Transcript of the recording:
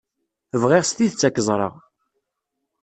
Bɣiɣ s tidet ad k-ẓreɣ.